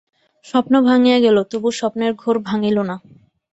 স্বপ্ন ভাঙিয়া গেল, তবু স্বপ্নের ঘোর ভাঙিল না।